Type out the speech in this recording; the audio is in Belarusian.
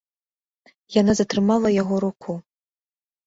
Яна затрымала яго руку.